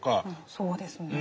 そうですね。